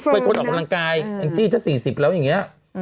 เป็นคนออกกำลังกายแองจี้ถ้า๔๐แล้วอย่างนี้